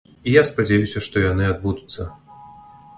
І я спадзяюся, што яны адбудуцца.